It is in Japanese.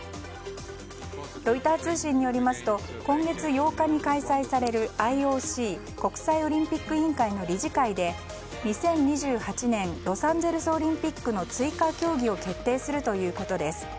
ロイター通信によりますと今月８日に開催されるＩＯＣ・国際オリンピック委員会の理事会で２０２８年ロサンゼルスオリンピックの追加競技を決定するということです。